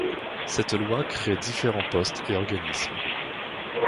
Cette loi crée différents postes et organismes.